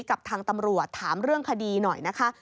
กับทางตำรวจถามเรื่องคดีหน่อยนะคะ